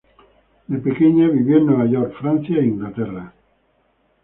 De pequeña, vivió en Nueva York, Francia e Inglaterra.